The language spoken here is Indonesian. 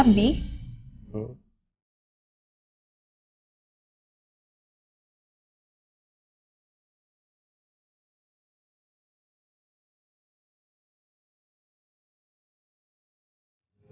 apa didn't menarien kotekan apa bahkan